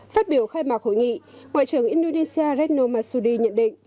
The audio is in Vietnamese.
phát biểu khai mạc hội nghị ngoại trưởng indonesia retno masudi nhận định